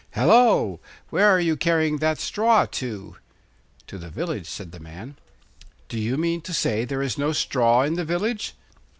'Hallo! Where are you carrying that straw to?' 'To the village,' said the man. 'Do you mean to say there is no straw in the village?